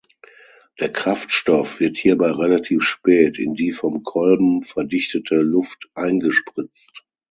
Der Kraftstoff wird hierbei relativ spät in die vom Kolben verdichtete Luft eingespritzt.